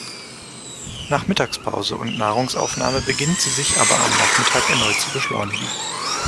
Nach Mittagspause und Nahrungsaufnahme beginnt sie sich aber am Nachmittag erneut zu beschleunigen.